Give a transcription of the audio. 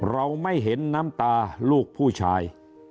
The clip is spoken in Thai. เราไม่เห็นน้ำตาลูกผู้ชาย